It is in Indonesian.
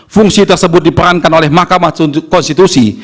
fungsi tersebut diperankan oleh mahkamah konstitusi